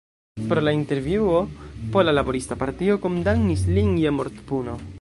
Pro la intervjuo Pola Laborista Partio kondamnis lin je mortpuno.